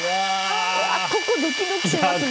ここ、ドキドキしますね。